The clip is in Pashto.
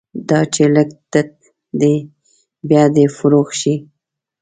دا چې لږ تت دی، بیا دې فروغ شي